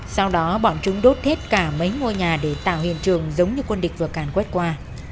sau đó bọn chúng đốt hết cả mấy ngôi nhà để tạo hiện trường giống như quân địch vừa càn quét qua